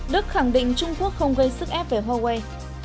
đức khẳng định trung quốc không gây sức ép về huawei